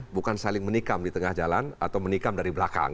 bukan saling menikam di tengah jalan atau menikam dari belakang